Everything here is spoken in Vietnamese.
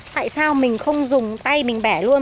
tại sao mình không dùng tay mình bẻ luôn